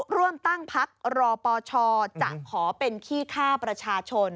ร่วมตั้งพักรอปชจะขอเป็นขี้ฆ่าประชาชน